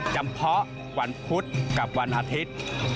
จำเพาะวันพุธกับวันหาทิศ